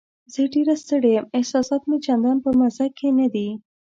زه ډېره ستړې یم، احساسات مې چندان په مزه کې نه دي.